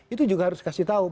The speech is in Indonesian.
itu juga harus kasih tahu